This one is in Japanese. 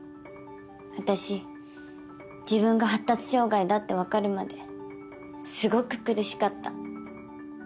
私自分が発達障害だって分かるまですごく苦しかった。